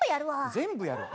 全部やるの？